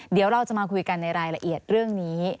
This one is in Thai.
เดี๋ยวเราจะมาคุยกันในรายละเอียดเรื่องนี้